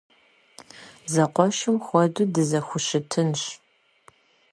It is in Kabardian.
Зэкъуэшым хуэдэу дызэхущытынщ.